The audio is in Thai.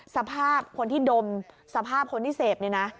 สภาพคนที่ดมสภาพคนที่เสพเนี่ยนะ